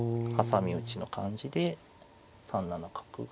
挟み撃ちの感じで３七角が一つ。